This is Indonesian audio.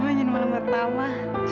mau minum malam pertama